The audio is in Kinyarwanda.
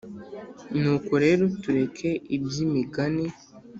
nuko rero tureke iby’imigani: